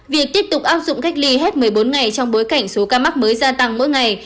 việc tiếp tục áp dụng cách ly hết một mươi bốn ngày trong bối cảnh số ca mắc mới gia tăng mỗi ngày